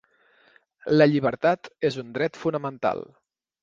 La llibertat és un dret fonamental.